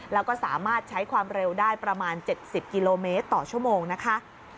แล้วก็สามารถใช้ความเร็วได้ประมาณ๗๐กิโลเมตรต่อชั่วโมงนะคะ